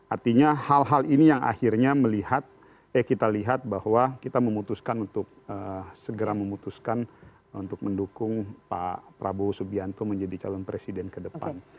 artinya hal hal ini yang akhirnya melihat eh kita lihat bahwa kita memutuskan untuk segera memutuskan untuk mendukung pak prabowo subianto menjadi calon presiden ke depan